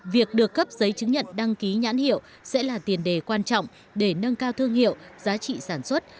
việc được cấp giấy chứng nhận đăng ký nhãn hiệu sẽ là tiền đề quan trọng để nâng cao thương hiệu giá trị sản xuất